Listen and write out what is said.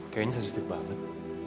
kayaknya sensitif banget